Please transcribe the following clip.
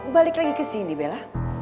balik lagi kesini bella